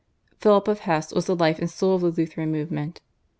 Philip of Hesse was the life and soul of the Lutheran movement.